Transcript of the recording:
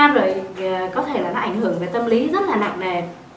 rồi có thể là nó ảnh hưởng về tâm lý rất là nặng nề